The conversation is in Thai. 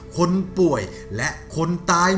คนป่วยและคนตาย